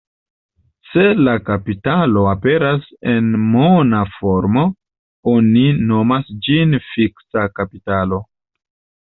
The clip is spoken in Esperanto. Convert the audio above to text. Se la kapitalo aperas en mona formo, oni nomas ĝin fiksa kapitalo.